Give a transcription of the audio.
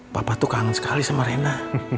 papa tuh kangen sekali sama rena